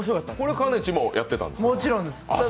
かねちもやってたんですか？